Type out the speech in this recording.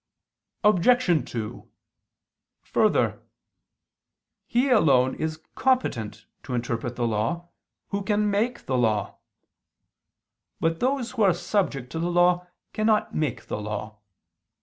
Obj. 2: Further, he alone is competent to interpret the law who can make the law. But those who are subject to the law cannot make the law.